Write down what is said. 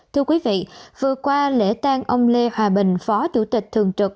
thưa quý vị vừa qua lễ tang ông lê hòa bình phó chủ tịch thường trực